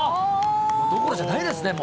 どころじゃないですね。